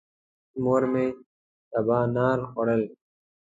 مور مې سبانار خوړل.